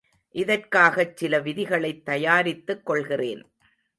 இதற்காகச் சில விதிகளைத் தயாரித்துக் கொள்கிறேன்.